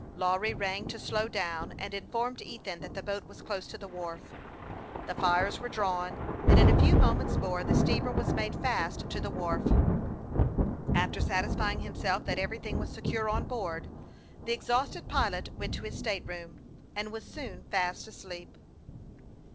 Lawry rang to " slow down," and informed Ethan that the boat was close to the wharf. The " fires were drawn," and in a few moments more, 22 254 HASTE AXD WASTE, OR the steamer was made fast to the wharf. After satisfying himself that everything was secure on board, the exhausted pilot went to his state room, and was soon fast asleep.